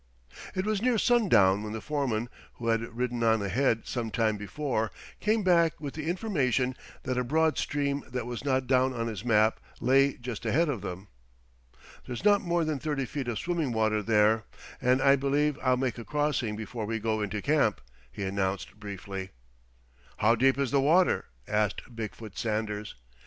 It was near sundown when the foreman, who had ridden on ahead some time before, came back with the information that a broad stream that was not down on his map lay just ahead of them. "There's not more than thirty feet of swimming water there, and I believe I'll make a crossing before we go into camp," he announced briefly. "How deep is the water?" asked Big foot Sanders.